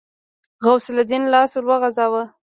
غوث الدين لاس ور وغځاوه.